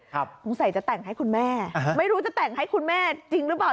สงสัยจะแต่งให้คุณแม่ไม่รู้จะแต่งให้คุณแม่จริงหรือเปล่า